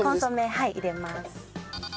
はい入れます。